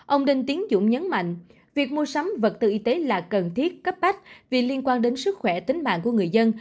ông đinh tiến dũng nhấn mạnh việc mua sắm vật tư y tế là cần thiết cấp bách vì liên quan đến sức khỏe tính mạng của người dân